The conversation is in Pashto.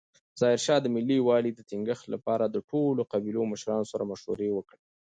ظاهرشاه د ملي یووالي د ټینګښت لپاره د ټولو قبیلو مشرانو سره مشورې وکړې.